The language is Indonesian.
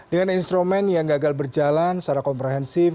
dengan instrumen yang gagal berjalan secara komprehensif